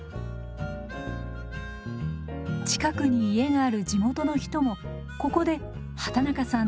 近くに家がある地元の人もここで畠中さんと寝食を共にします。